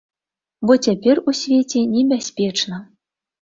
Бо цяпер у свеце небяспечна.